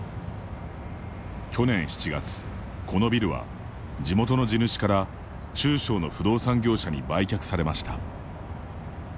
去年７月、このビルは地元の地主から中小の不動産業者に売却されました。